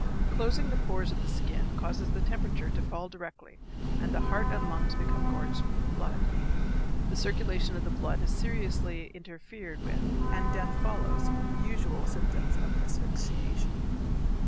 Closing the pores of the skin causes the temperature to fall directly and the heart and lungs become gorged with blood. The circulation of the blood is seriously interfered with and death follows with the usual symptoms of asphyxiation.